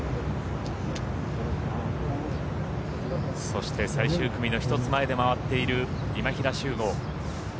そして、最終組の１つ前で回っている今平周吾。